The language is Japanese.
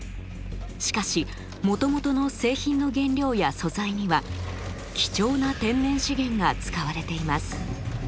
しかしもともとの製品の原料や素材には貴重な天然資源が使われています。